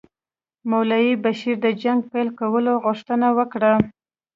مولوي بشیر د جنګ پیل کولو غوښتنه وکړه.